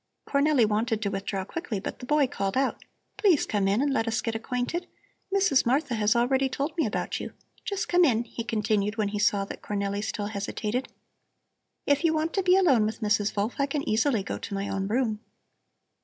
Cornelli wanted to withdraw quickly, but the boy called out: "Please come in and let us get acquainted. Mrs. Martha has already told me about you. Just come in," he continued, when he saw that Cornelli still hesitated. "If you want to be alone with Mrs. Wolf I can easily go to my own room."